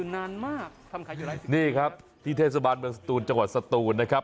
นี่ครับที่เทศบาลเมืองสตูนจังหวัดสตูนนะครับ